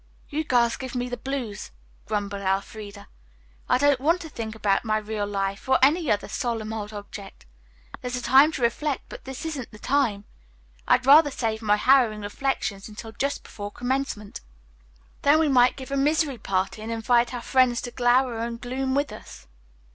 "You girls give me the blues," grumbled Elfreda. "I don't want to think about my 'real life' or any other solemn old subject. There's a time to reflect, but this isn't the time. I'd rather save all my harrowing reflections until just before commencement. Then we might give a misery party and invite our friends to glower and gloom with us."